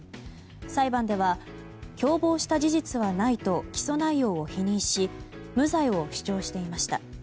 裁判では共謀した事実はないと起訴内容を否認し無罪を主張していました。